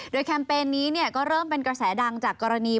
แคมเปญนี้ก็เริ่มเป็นกระแสดังจากกรณี